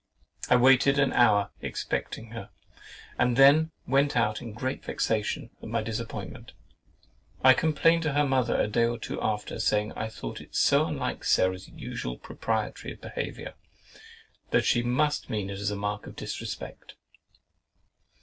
I waited an hour expecting her, and then went out in great vexation at my disappointment. I complained to her mother a day or two after, saying I thought it so unlike Sarah's usual propriety of behaviour, that she must mean it as a mark of disrespect.